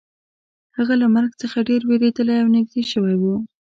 هغه له مرګ څخه ډیر ویریدلی او نږدې شوی و